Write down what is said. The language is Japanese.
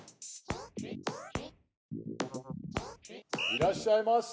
いらっしゃいませ！